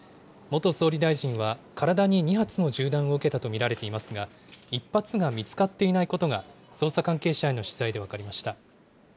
元総理大臣は、体に２発の銃弾を受けたと見られていますが、１発が見つかっていないことが、捜査関係者への取材で分かりました。